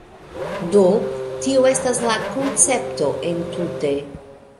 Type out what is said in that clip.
Do, tio estas la koncepto entute